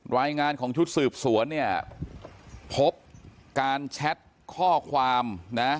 รายงานของชุดสืบสวนเนี่ยพบการแชทข้อความนะ